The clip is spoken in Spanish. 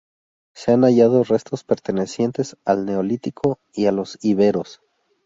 Se han hallado restos pertenecientes al Neolítico y a los Iberos.